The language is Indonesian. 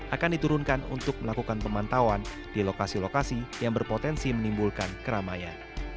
akan diturunkan untuk melakukan pemantauan di lokasi lokasi yang berpotensi menimbulkan keramaian